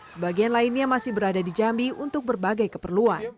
sebagian lainnya masih berada di jambi untuk berbagai keperluan